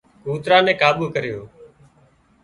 ڪوترا نين ڪابو ڪريو